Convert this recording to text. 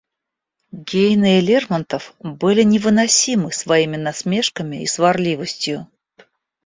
Гейне и Лермонтов были невыносимы своими насмешками и сварливостью.